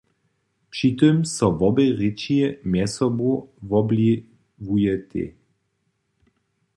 Při tym so wobě rěči mjez sobu wobwliwujetej.